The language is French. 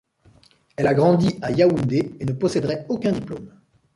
Elle a grandi à Yaoundé, et ne possèderait aucun diplôme.